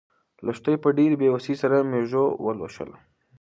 لښتې په ډېرې بې وسۍ سره مېږه ولوشله.